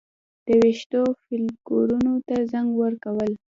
د ویښتو فولیکونو ته رنګ ورکول